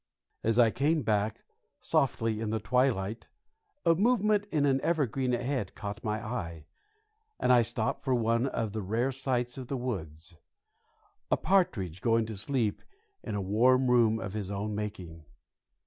As I came back softly in the twilight a movement in an evergreen ahead caught my eye, and I stopped for one of the rare sights of the woods, a partridge going to sleep in a warm room of his own making.